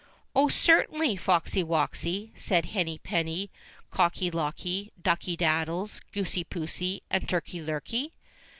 "Oh, certainly, Foxy woxy," said Henny penny, Cocky locky, Ducky daddies, Goosey poosey, and Turkey lurkey.